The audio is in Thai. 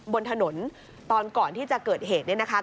บนถนนตอนก่อนที่จะเกิดเหตุเนี่ยนะคะ